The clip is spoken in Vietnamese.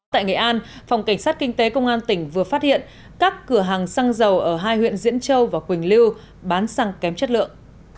tại nghệ an phòng cảnh sát kinh tế công an tỉnh vừa phát hiện các cửa hàng xăng dầu ở hai huyện diễn châu và quỳnh lưu bán xăng kém chất lượng